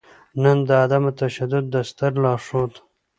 نــن د عـدم تـشدود د ســتــر لارښــود